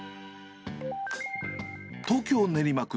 東京・練馬区。